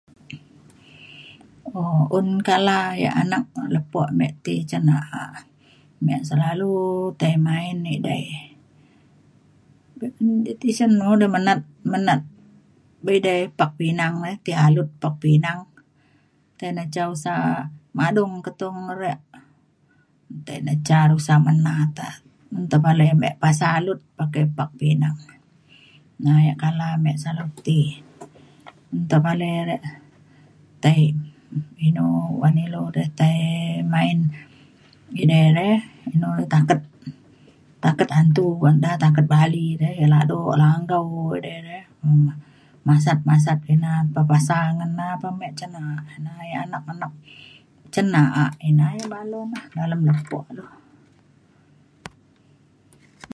um un kala ya' anak ya' lepo mik ti cen na'a mik selalu tai main edai be'un ke' tisen un re menat menat edai pak pinang ti alut pak pinang tai ne ca osa madung ketung re' tai na ca usa menat e un tepalai mik pasa alut pakai pak pinang na ya' kala mik salu ti. un tepalai re' tai inu ba'an ilu de tai main idai re inu taket taket antu ba'an da taket bali dai ya daduk ya langkau dedai re. um masat masat ina pepasa ngena pe mik cen na'a ya' anak-anak cen na'a ina ya' badu le dalem lepo le.